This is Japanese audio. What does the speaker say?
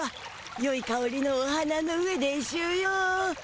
よいかおりのお花の上でしゅよ。